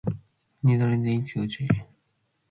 Nidquepash icnui